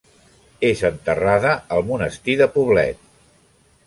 És enterrada al Monestir de Poblet.